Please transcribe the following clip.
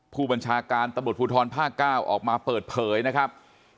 ผู้บัญชาการตำรวจภูทรภาค๙ออกมาเปิดเผยนะครับ